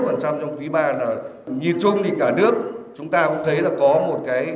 trong quý iii là nhìn chung với cả nước chúng ta cũng thấy là có một cái